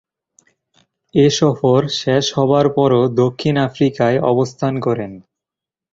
এ সফর শেষ হবার পরও দক্ষিণ আফ্রিকায় অবস্থান করেন।